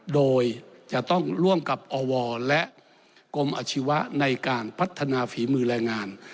โดยจะต้องร่วมกับอวและกรมอาชีวะในการพัฒนาฝีมือแรงงาน